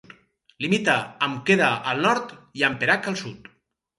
Limita amb Kedah al nord i amb Perak al sud.